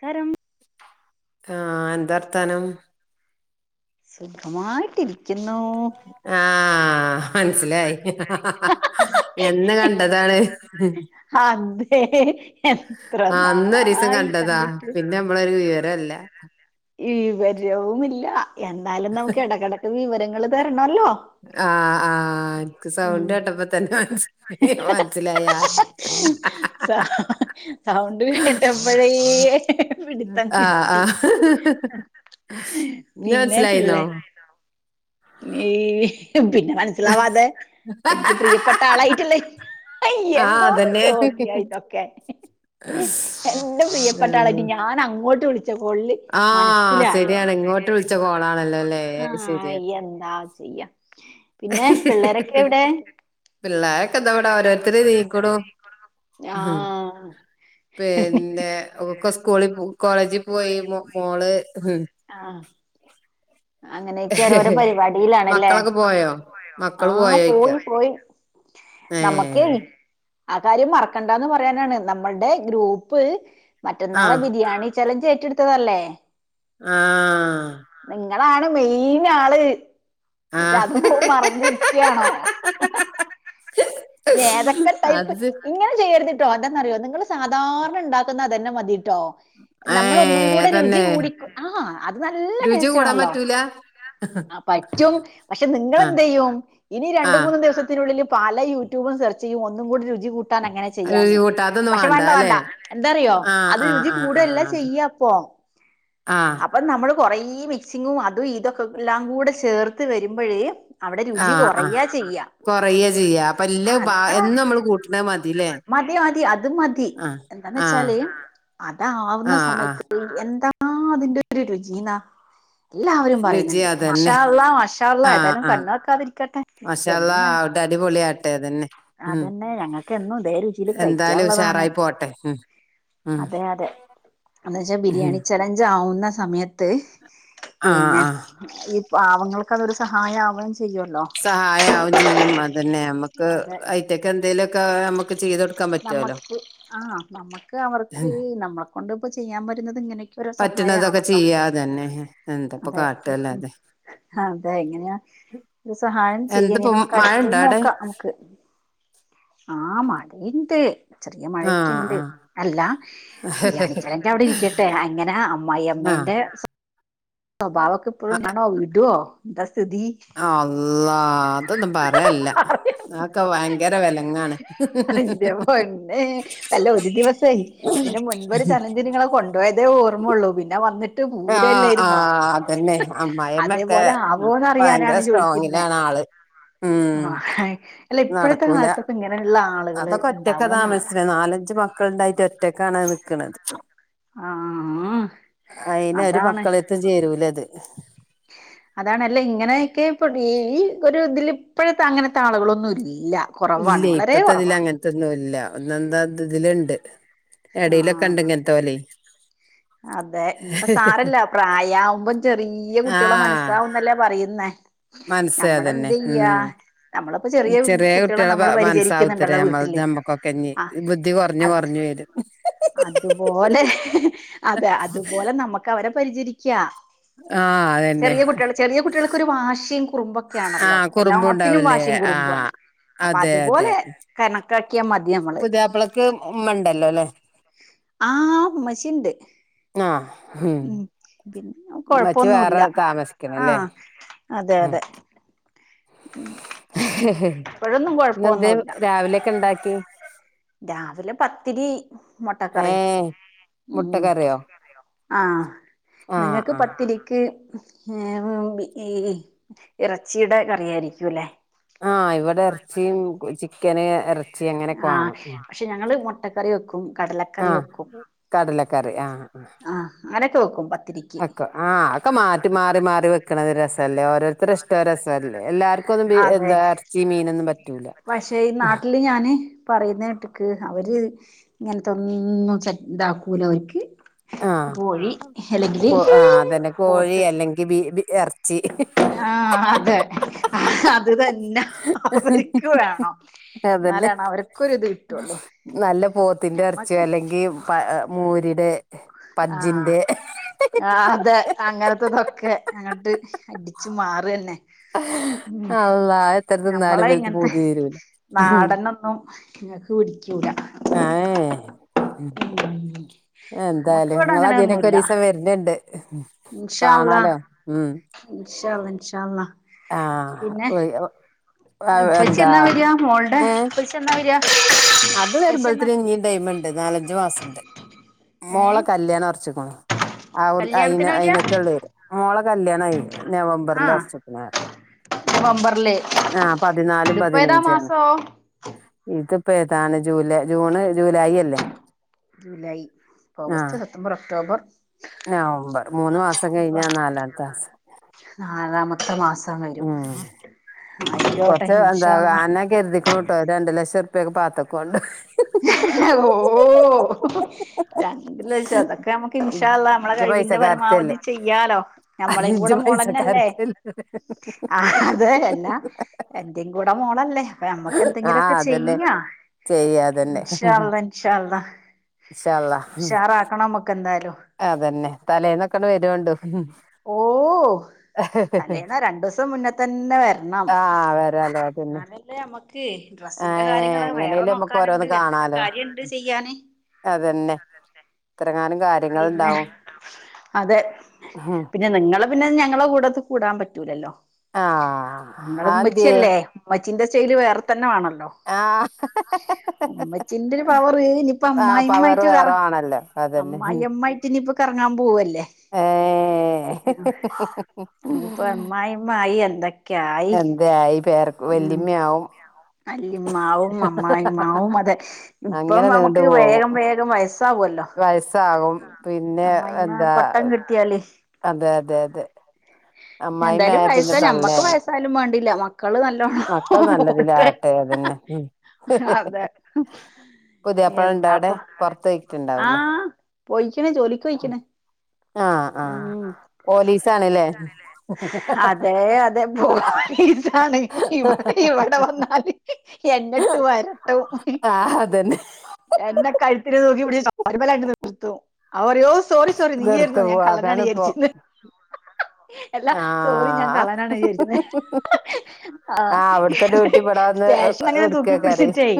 കരം ആ എന്താർത്താനം? സുഖമായിട്ടിരി ആ മനസ്സിലായി എന്ന് കണ്ടതാണ്? [inaudible] ആ അന്നരീസം നാളായി കണ്ടതാ, കണ്ടിട്ട് പിന്നെ നമ്മളൊരു വിവരല്ല. വിവരവുമില്ല, എന്നാലും നമുക്ക് ഇടക്കിടക്ക് വിവരങ്ങൾ തരണല്ലോ. ആഹ് ആഹ് എനിക്ക് ഉം സൗണ്ട് കേട്ടപ്പോ തന്നെ മനസ്സി മനസ്സിലായ സ സൗണ്ട് കേട്ടപ്പോഴേ പിടിത്തം കിട്ടി. ന്നെ പിന്നെ മനസ്സിലായീന്നോ? പിള്ളേ ഈ പിന്നെ മനസിലാവാതെ എനിക്ക് പ്രിയപ്പെട്ട ആളായിട്ടല്ലേ അയ് ആഹ് എന്തോന്നന്ന് അതന്നെ ചോദിയ ഇതൊക്കെ? എന്റെ പ്രിയപ്പെട്ട ഉം ആളായിട്ട് ഞാൻ അങ്ങോട്ട് വിളിച്ച കോളില് ആഹ് ശരിയാണ് മനസ്സിലായൊന്നു, ഇങ്ങോട്ട് വിളിച്ച കോളാണല്ലോ അല്ലേ ആ അത് ആയ് ശരിയാണ് എന്താ ചെയ്യ. പിന്നെ, പിള്ളേരൊക്കെ എവിടെ? പിള്ളാര് ആഹ് പിന്നെ ഒക്കെ സ്കൂളിൽ കോളേജിൽ പോയി മോള് ഉം ആഹ് അങ്ങനെയൊക്കെ ഓരോരോ പരിപാടിയിലാണല്ലേ മക്കളൊക്കെ പോയോ [unintelligible] മക്കള് ആഹ് പോയോയ്ക്ക പോയി പോയി ഏ നമ്മക്ക് ആ കാര്യം മറക്കണ്ടാന്ന് പറയാനാണ് നമ്മളുടെ ഗ്രൂപ്പ് ആ മറ്റന്നാളെ ബിരിയാണി ചലഞ്ച് ഏറ്റെടുത്തതല്ലേ ആഹ് ങ്ങളാണ് മെയിൻ ആള് ആ എന്നിട്ട് അത് മറന്നിരിക്കയാണോ ഏതൊക്കെ ടൈപ്പ് അത് ഇങ്ങനെ ചെയ്യരുതിട്ടോ എന്തന്നറിയോ നിങ്ങൾ സാധാരണ ഉണ്ടാക്കുന്നത് അതന്നെ മതി ട്ടോ ഏ നമ്മള് ഒന്നും കൂടെ രുചിയ അതന്നെ കൂടിക്കും ആഹ് അത് നല്ല രുചി ടേസ്റ്റ് കൂടാൻ ആണല്ലോ പറ്റൂല ആഹ് പറ്റും പക്ഷെ ആ നിങ്ങെലെന്ത് ചെയ്യും ഇനി ആ രണ്ട് മൂന്ന് ദിവസത്തിനുള്ളിൽ പല യൂട്യൂബും സെർച് ചെയ്യും ഒന്നും കൂടി രുചി കൂട്ട് കൂട്ടാൻ അങ്ങനെ രുചി ചെയ്യാന്ന് കൂട്ടാ അതൊന്നും പക്ഷെ വേണ്ട വേണ്ട അല്ലെ എന്താറിയോ ആ അത് ആ രുചി ആ ആ കൂടല്ല അത് ചെയ്യപ്പ ആ അപ്പൊ നമ്മള് കൊറെ മിക്സിങ്ങും അതും ഇതൊക്കെ എല്ലാം കൂടെ ചേർത്ത് വരുമ്പോഴേ അവിടെ ആ രുചി ആ കൊറേ ചെയ്യാം കൊറയ ചെയ്യാ അപ്പൊ എല്ല ആഹ് നിങ്ങള എന്നും നമ്മള് കൂട്ടണ മതില്ലേ മതി മതി അതും മതി ആ എന്താന്ന് ആ വെച്ചാല് അതാവുന്ന ആ ആ സമയത്ത് എന്താ അതിന്റെ ഒരു രുചീന എല്ലാവരും രുചി പറയുന്നുണ്ട് അതന്നെ മാഷഅല്ലാഹ് മാഷാ അല്ലാഹ് ആഹ് ഏതായാലും ആഹ് കണ്ണ് വെക്കാതിരിക്കട്ടെ എന്നും ഞാൻ അടിപലെയ അതന്നെ ഞങ്ങക്ക്എന്നും ഇതേ രുചീയില് എന്തായാലും കഴിക്കാൻള്ളതാണ് ഉഷാറായി പോട്ടെ ഉം ഉം അതെ അതെ എന്ന് ഉം വെച്ചാബിരിയാണി ചലഞ്ച്ആവുന്ന സമയത്ത് ആഹ് പിന്നെ ആഹ് ഈ പാവങ്ങൾക്കതൊരു സഹായാവൻ സഹായാവുംചെയ്യുംഅതന്നെ നമുക്ക് ഐറ്റ്ക്കെഎന്തൊലുക്കെ നമുക്ക് നമ്മക്ക് ആ നമുക്ക്അവർക്ക് ഉം നമ്മളെകൊണ്ട്പ്പ ചെയ്യാൻ പറ്റ്ന്നത് ഇങ്ങനെ പറ്റണതൊക്കെ സഹായാണല്ലോ ചെയ്യാ അതന്നെ എന്താപ്പൊ അതെ കാട്ടല്ലാതെ അതെഎങ്ങനെയാ [inaudible] ഒരുസഹായം എന്തിപ്പോ ചെയ്യിനീന്ന് മഴ ഇണ്ടോ അവിടെ നമുക്ക്അടുത്തനോക്കാം നമുക്ക് ആ മടിയിണ്ട് ചെറിയ മഴക്ക്ണ്ട് ആഹ് ആഹ് അല്ലബിരിയാണിചലഞ്ചഅവിടെഇരിക്കട്ടെ അങ്ങനെഅമ്മായിഅമ്മ എന്റെ ബാവക്ക് പ്പോഴും കാണോ വീടോ എന്താ സ് ആ അള്ളാ അതൊന്നുംപറയല്ല അക്കെഭയങ്കര വെലങ്ങാണ് അല്ലഒരു ദിവസെയ് ഇതിന്മുൻപൊരു ചലഞ്ചനിങ്ങളെ കൊണ്ടോയതേഓർമ്മൊള്ളൂ പിന്നെവന്നിട്ട് ന്നി ആഹ് ട്ട്പൂരല്ലായിരുന്നോ ആഹ് അതന്നെ അമ്മായിമ്മക്കെ ഭയങ്കര അതേപോലെആവോന്ന്റിയാനാണ് ചോയ്ക്കുന്നെ സ്ട്രോങ്ങിലാണ് ആള് ഉം ആ അല്ലഇപ്പോഴത്തെ കാലത്തൊക്കെഇങ്ങനെള്ള ആൾ അതൊക്കെഒറ്റക്കാ താമസ്ച്ച്ണെ നാലഞ്ചുമക്കളുണ്ടായിട്ട് ഒറ്റക്കാണ് നി ക്ക്ണത് ആഹ് അയിനഒരു മക്കളെത്ത്ചേരൂലത് അതാണല്ലെ ഇങ്ങനെയൊക്കെ ഇപ്പ ഈ ഒരുഇതിൽ ഇപ്പോഴത്തെഅങ്ങനത്തെ ആളുകളൊന്നും [unintelligible] കുറവാണ് ഇല്ലേയ് വളരെ കുറവാ ഇപ്പത്തെഇതിലങ്ങനത്തെന്നുംല്ല ഒന്നെന്താത്ഇതിലുണ്ട് എടയിലൊക്കെ ആഹ് ഇണ്ട്ങ്ങ്ൻത്തൊയ് [inaudible] അതെ ഇപ്പോ സാറല്ല പ്രായാആവുമ്പം ചെറീയ്യകുട്ടിയാളെ മനസ്സാവുന്നല്ലേപറയുന്നേ? മനസ്സേതന്നെ ഉം നമ്മളിപ്പോ ചെറിയ കുട്ടികളെ ചെറിയകുട്ടികളെ നമ്മള് മനസ്സാവംത്തരെ പരിചരിക്കുന്നുണ്ടല്ലോ നമ്മൾ വീട്ടില് നമ്മുക്കൊക്കെ ഇഞ് ആ അത് ബുദ്ധികുറഞ്ഞുകുറഞ്ഞ് വരും അതുപോലെ അതെ അതുപോലെനമുക്കവരെ പരിചരിക്ക ആഹ് അതന്നെ ചെറിയ കുട്ടിയാള് ചെറിയകുട്ടികൾക്കൊരു വാശിം കുറുമ്പൊക്കൊണല്ലോ ആഹ് കുറുമ്പുണ്ടാവൂലേ എല്ലാത്തിനുംവാശിയ ഉ റുമ്പാണ് ആഹ് അതെ അതെ അപ്പൊഅതുപോലെ കണക്കാക്കിയാമതിനമ്മള് പുതിയാപ്പളക്ക് ഉമ്മ ഉണ്ടല്ലോ അല്ലെ ആ ഉമ്മച്ചിൻണ്ട് ഉം ഉമ്മച്ചി പിന്നെകൊഴപ്പൊന്നുല്ല വേറെ ആ താമസിക്കണല്ലേ ഉം അതെഅതെ ഇപ്പോഴൊന്നും ഇന്നെന്തേ കൊഴപ്പോന്നുല്ല രാവിലെയൊക്കെ ഉണ്ടാക്കി രാവിലെ പത്തിരി മൊട്ടക്കറിം ഏഹ് ഉം. മുട്ടക്കറിയോ ആ ആഹ് നിങ്ങൾക്ക് ആഹ് പത്തിരിക്ക് ഈ ഇറച്ചിയുടെ കറിയയിരിക്കൂല്ലേ ആഹ് ഇവിടെ എർച്ചിം ചിക്കന് എർ ആ പക്ഷെഞങ്ങള് മുട്ടക്കറിവെക്കും ആഹ് കടലക്കറിവെക്കും കടലക്കറി ആ അങ്ങനെയൊക്കെവെക്കും അക്ക ആ ഒക്കെ മാറ്റി മാറിമാറി വെക്കണത് രസല്ലേ ഓരോരുത്തർഇഷ്ട ഇ രസല്ലേഎല്ലാർക്കും ഒന്നും അതെ എന്താ എറച്ചീംമീനൊന്നും പറ്റൂല പറയുന്നെട്ട്ക്ക് അവര് ഇങ്ങൻത്തൊന്നും സെറ്റ് ഇതാക്കൂല അവർക്ക് ആ കോഴി അല്ലെങ്കില് കോ ആ അതന്നെ കോഴി പോത്ത് അല്ലെങ്കിൽ ബി ബി ഇറച്ചി ആഅതെ അ അതു ന്നെ അവര്ക്ക് വേണം അതന്നെ. എന്നാലാണ് അവർക്കൊരിത് കിട്ടുള്ളൂ നല്ലപോത്തിന്റെ എർച്യോ ഞമ്മക്ക് അല്ലെങ്കി മൂരിടെ ആ പജ്ജിന്റെ അതെ അങ്ങനത്തതൊക്കെ ഒക്കെ അങ്ങട്ട് അടിച്ചു മാറ്ന്നെ ഉം അള്ളാ എത്ര നമ്മള തിന്നാലും ഇവർക്ക് ഇങ്ങത്തെ പൂതി തീരൂല നാടനൊന്നും ങ്ങക്ക് പിടിക്കൂല ഏഹ് [unintelligible] നമ്മക്ക് എന്തായാലും ഇവിടെ നിങ്ങളെ അതിലൊക്കെ അങ്ങനെയൊന്നുല്ല ഒരു ദിവസം വര്ണിണ്ട് ഇൻഷാ അല്ലാഹ് ഇൻഷാ അല്ലാഹ് ഇന്ഷാ അല്ലാഹ് ആഹ് ആഹ് ഇപ്പച്ചി എന്താ എന്നാ വരിയാ മോൾടെ ഏഹ് ഇപ്പച്ചി എന്നാ വരിക അത് ഉപ്പച്ചി എന്നാ വരുമ്പോഴത്തിന് ഇനിയും ടൈമുണ്ട് നാലഞ്ചു മാസം ണ്ട് മോളെ ഏഹ് കല്യാണം ഓർച്ച്ക്ക്ണ് അയി കല്യാണത്തിനാ വരിക അയിനൊക്കെ ഉള്ളവര് മോള കല്ല്യാണമായി നവംബറില് ആഹ് ഒർച്ച്ക്കാണ് നവംബറില് ആഹ് പതിനാലും ഇതിപ്പോ ഏതാ പതിനഞ്ചും ആണ് മാസോ ഇത് ഇപ്പ താണ് ജൂലൈ ജൂണ് ജൂലൈ അല്ലേ ജൂലൈ ആഹ് ഓഗസ്റ്റ് സെപ്തംബർ ഒക്ടോബർ നവംബർ മൂന്ന് മാസം കഴിഞ്ഞാ നാലാമത്തെ മാസം ആറാമത്തെ മാസം വരും ആയിക്കോട്ടെ കൊറ്ച്ച എന്താ ഇൻഷാ അള്ളാ അന്ന കരുതിക്ക്ണട്ടോ രണ്ടു ലക്ഷം രൂപൊക്കെ പാത്തകൊണ്ടു [unintelligible] ഓ രണ്ടുലക്ഷം അതൊക്കെ നമുക്ക് ഇഷാല്ല നമ്മളെ ഇജ്ജ് കഴിവിന്റെ പരമാവ പൈസക്കാരത്തിയല്ലേ ചെയ്യാലോ ഞമ്മള ഇജ്ജ് കൂടെ മോളന്നല്ലേ പൈസക്കാരത്തിയല്ലേ ആഹ് അതേ അല്ലാ എന്റെയും കൂടെ മോളല്ലേ അപ്പ നമ്മക്ക് ആ എന്തെങ്കിലൊക്കെ അതന്നെ ചെയ്യാ ചെയ്യ അതന്നെ ഇൻഷാ അല്ലാഹ് ഇൻഷാ അല്ലാഹ് ഇൻഷാ അള്ളാ ഉഷാറാക്കണം മക്കെ എന്തായാലും അതന്നെ തലേന്നൊക്കെ വരോണ്ടു ഓ തലേന്നോ രണ്ട് ദിവസം മുന്നേ തന്നെ വരണം ആ വരാലോ അതന്നെ എന്നാലല്ലേ മ്മക്ക് ഏ ഡ്രസ്സിന്റെ കാര്യങ്ങള് വേറെ എങ്ങനെയാലും നമുക്ക് നോക്കാനുണ്ട് ഓരോന്ന് എന്തൊക്കെ കാണാലോ കാര്യങ്ങളുണ്ട് ചെയ്യാന് അതന്നെ ഇത്രങ്ങാനം പിന്നെ കാര്യങ്ങുണ്ടാവും അതെ പിന്നെ നിങ്ങള് പിന്നെ ഞങ്ങളെ കൂടെ കൂടാൻ പറ്റൂലല്ലോ ആഹ് ഞങ്ങൾ അതെന്തേ ഉമ്മച്ചിയല്ലേമ്മച്ചിന്റെ ശൈലി വേറെ തന്നെ വേണല്ലോ ആഹ് ഉമ്മച്ചിന്റെ ഒരു പവറ് ഇനിപ്പോ ആഹ് പവർ അമ്മായിമ്മായിട്ട് വേറെ ആണല്ലോ അതന്നെ അമ്മായമ്മായിട്ട് ഇഞ്ഞിപ്പൊ കറങ്ങാൻ പോവല്ലേ ഇനിയിപ്പോ അമ്മായിമ്മ ആയി എന്തൊക്കെയായി എന്തെആയി പേര ഉം വെല്ലിമ്മയാവും വല്ലിമ്മാവും അമ്മായിമ്മാവും അതെ ഇപ്പം നമുക്ക് വേഗം വേഗം വയസ് വയസാകും പിന്നെ അമ്മായിമ്മ എന്താ പട്ടം കിട്ടിയാല് അതെ അതെ അതെ എന്തായാലും അമ്മായിമ്മായപിന്നെ വയസ്സാ ഞമ്മക്ക് തള്ളായി വയസ്സായാലും വേണ്ടില്ല മക്കള് നല്ലോണം മക്കൾ പോട്ടെ നല്ലതിലാവട്ടെ തന്നെ അതെ പുതിയാപ്പള ഉണ്ടോ എന്താപ്പ അവിടെ പൊറത്ത് ആ പോയിട്ടുണ്ടാവൂലേ പോയിക്ക്ണ് ജോലിക്കൊയിക്ണ് ആ ആ പോലീസ് ആണ്ലേ അതെ അതെ പോലീസ്ആണ് ഇവടെ ഇവടെ വന്നാല് എന്നട്ട് വരട്ടും ആഹ് അതന്നെ എന്നെ കഴുത്തിനുതൂകിപിടിച്ചു ചൊമര്മലണ്ട് നിർത്തും അവറിയോ സോറി സോറി നിർത്ത് നീയായിര്ന്നോ ഞാൻ പോവാ കള്ളനാണ് അതാണിപ്പോ യാരിച്ചിന്ന് എല്ലാ സോറി ഞാൻ ആഹ് കള്ളനാണ് വിചാര്ക്കന്നെ ആ ആഹ് അവിടുത്തെ ഡ്യൂട്ടി ഇവിടെ വന്ന് സ്റ്റേഷൻ അങ്ങനെ എടുക്കേക്കാരെ തൂക്കിപിടിച്ചിട്ടേ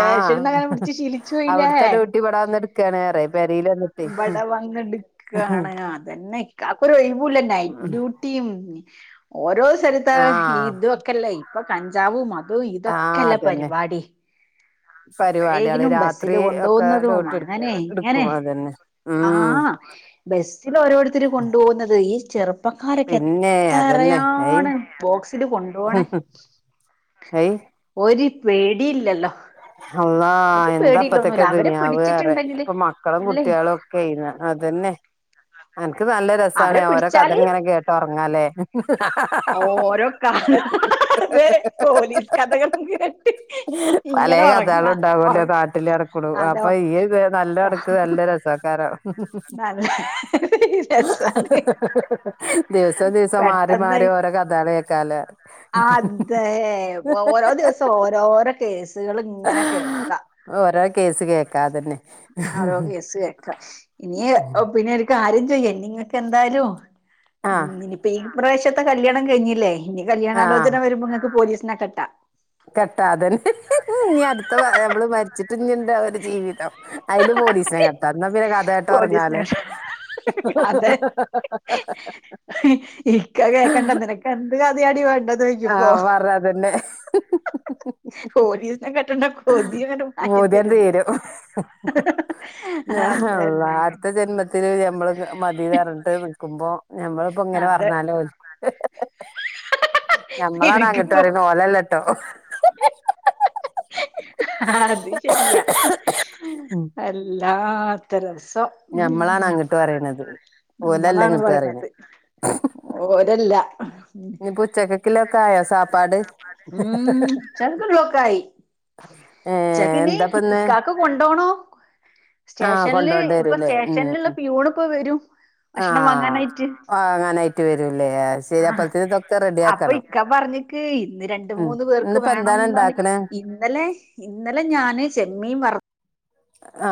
ആഹ് അങ്ങനെ പിടിച്ചു ശീലിച്ചുപോയിലേ അവിടുത്തെ ഡ്യൂട്ടി ഇവിടെ വന്ന് എടുക്കാണ് പറയും പെരേല് വന്നിട്ടേ ഇവടവന്ന്ട്ക്കാണ് ഞാൻ അതന്നെ ഇക്കാക്ക് ഒരൊഴിവൂല്ല നൈറ്റ്ഡ്യൂട്ടിം ഓരോ സ്ഥലത്ത് ആഹ് ഇതൊക്കെല്ലെ ഇപ്പോ കഞ്ചാവും- അതും ഇതോ- ആഹ് ക്കല്ലെ അതന്നെ പര്പാടി. പരിപാടികള് അപ്പൊഴേക്കിനും രാത്രി ബസ്സില് ഒക്കെ കൊണ്ടോവുന്നതും ഡ്യൂട്ടി എടു അങ്ങനെ ഇങ്ങനെ എടുക്കും അതന്നെ ആ ഉം സ്സില് ഓരോരുത്തര് കൊണ്ടോവുന്നത് ഈ ചെറുപ്പക്കാരക്കെ പിന്നെ അതന്നെ അയ് എത്രയാണ് ബോക്സില് കൊണ്ടോണെ അയ് ഒര് പേടിയില്ലല്ലോ അള്ളാ ഒരു എന്താപ്പത്തെക്കെ പേടിയില്ലൊന്നുല്ല അവരെ ദുനിയാവ്അറ്യെ പിടിച്ചിട്ടുണ്ടെങ്കില് പ്പൊ മക്കളും അല്ലേ കുട്ട്യാളൊക്കെയ് അതന്നെ ക്ക് നല്ലരസാണ് അവരെ ഓരോ പിടിച്ചാല് കഥങ്ങനെകേട്ട് ഒറ്ങ്ങാലേ ഓരോ കഥ അതെ പോലീസ്കഥകൾ കേട്ട് പലേ ഇങ്ങനെ ഒറങ്ങാ ഒറ കഥാളുണ്ടാവൊല്ലൊ നാട്ടില്നടക്കുണു അതോ അപ്പൊ ഇയ്യ് നല്ലഅൻക് നല്ലരസക്കാരം നല്ല രസാണ് ദിവസം ദിവസം മാറി മാറി പെട്ടെന്നെയ് ഓരോ കഥകള് കേക്കാലോ അതേ ഓരോദിവസം ഓരോരോ കേസ് ത്കള്ങ്ങനെ കേൾക്കാ ഓരോ കേസ് കേക്കാതെന്നെ ഓരോ കേസ്കേക്ക ഇനി പിന്നെനിക്കാര്യ ചെയ്യ് ഇനിങ്ങക്ക്എന്തായാലും ആഹ് ഇനിപ്പോ ഇപ്രാശ്യത്തെ കല്ല്യാണം കഴിഞ്ഞില്ലേ ഇനി കല്യാണാലോചന വരുമ്പൊങ്ങക്ക് പോലീസിനെ കെട്ടാ കെട്ടാ അതെന്നെ ഞ്ഞിഅടുത്ത നമ്മള് മരിച്ചിട്ട് ഞ്ഞിണ്ടാവൊല്ലൊ ജീവിതം അയില് പോലീസ്നെ കെട്ടാ ന്നാപിന്നെ കഥേട്ട് ഒറങ്ങാലൊ പോലീസിനെ അതെ ഇക്ക കേക്കണ്ട നിനക്കെന്ത് കഥയാടി വേ ആ പറ്ഞ്ഞതന്നെ പോലീസിനെ കെട്ടണ്ട കൊതി [unintelligible] അങ്ങട് മാറ്റിത്തരുന്ന് അള്ളാഹ്.... അതന്നെ അടുത്ത ജന്മത്തില് ഞമ്മള് മതിന്നർഞ്ഞ്ട്ട് നിക്കുമ്പോ- ഞമ്മള്പ്പോ ഇങ്ങനെ അതെ പറഞ്ഞാലോ. ങ്ങളാണങ്ങട്ട് നിനക്കിപ്പോ പറിണ് ഓലല്ലട്ടോ. [inaudible] അത് ശരിയാ ഉം വല്ലാത്തോരവസ്ഥ. സോ ഞമ്മളാണ് നമ്മളാണ് അങ്ങട്ട് പറയണത് പറിണത്, ഓലല്ല നമ്മളാണ് ഇങ്ങട്ട് പറയണേ പറിണത്. ഓരല്ല [inaudible] ഇനിയിപ്പോ ഉച്ചക്കക്കില്ലൊക്കെ ആയോ സാപ്പാട് ഉം.. ! ഏ [unintelligible] എന്താപ്പന്ന് ഇക്കാക്ക് കൊണ്ടോണോ? ആ സ്റ്റേഷന്ല് കൊണ്ടോണ്ട് ഇപ്പോ വരൂല്ലേ ഉം സ്റ്റേഷന്ല്ള്ള ഉം പിയുണ് ഇപ്പോ വരും. ആ.. ഭക്ഷണം വാങ്ങാനായിട്ട് ആ.. അങ്ങാനായിട്ട് വരുംല്ലേ, അയ്ശെരി അപ്പോത്ത്ന് തൊക്ക റെഡിയാക്കണം. ക്ക് ഇന്ന് രണ്ട്, ഉം മൂന്ന് പേർക്- ക്ക് ഇന്നിപ്പോ എന്താണ് വേണംന്ന് പറ്ഞ്ഞ് ഇണ്ടാക്കണേ ഇന്നലെ, ഇന്നലെ ഞാന് ചെമ്മീൻ വർ- ആ.. !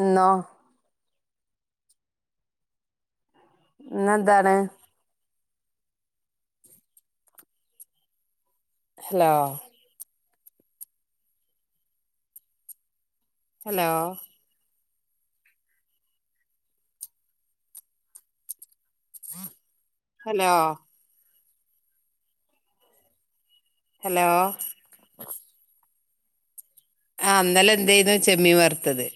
ഇന്നോ. ഇന്നെന്താണ്. ഹലോ.. ! ഹലോ.. ! ഹലോ... ! ഹലോ ആ ന്നലെന്തെയ്ന്ന് ചെമ്മീൻവർത്തത്